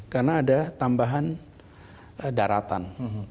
karena ada tambahan daratan